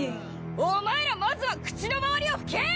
お前らまずは口の周りを拭けぇ！